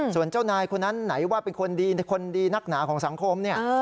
ส่วนเจ้านายคนนั้นไหนว่าเป็นคนดีคนดีนักหนาของสังคมเนี่ย